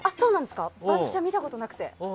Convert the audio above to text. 見たことなくて。